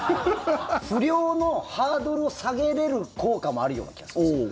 不良のハードルを下げれる効果もあるような気がするんですよ。